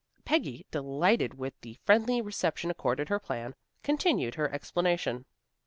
Peggy, delighted with the friendly reception accorded her plan, continued her explanation.